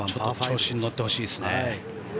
調子に乗ってほしいですね。